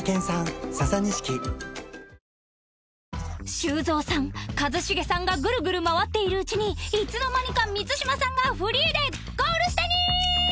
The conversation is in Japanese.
修造さん一茂さんがグルグル回っているうちにいつの間にか満島さんがフリーでゴール下に！